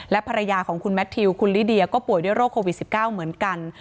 ภรรยาของคุณแมททิวคุณลิเดียก็ป่วยด้วยโรคโควิด๑๙เหมือนกัน